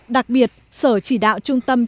đặc biệt sở chỉ đạo trung tâm chủ nghĩa